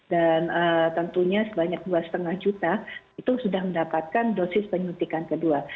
dan tentunya sebanyak dua lima juta itu sudah mendapatkan dosis penyutikan kedua